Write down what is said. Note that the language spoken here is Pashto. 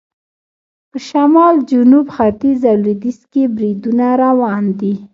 په شمال، جنوب، ختیځ او لویدیځ کې بریدونه روان دي.